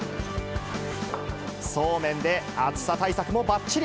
そうめんで暑さ対策もばっちり。